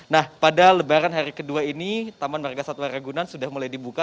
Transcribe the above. nah pada lebaran hari kedua ini taman warga suat raya ragunan sudah mulai dibuka